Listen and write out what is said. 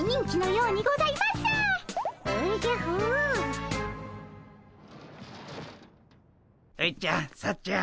うっちゃんさっちゃん